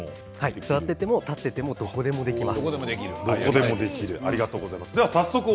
座っても立っていてもどこでもできます。